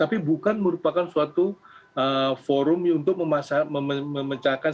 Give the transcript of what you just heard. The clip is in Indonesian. tapi bukan merupakan suatu forum untuk memecahkan